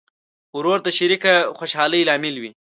ورور د شریکه خوشحالۍ لامل وي.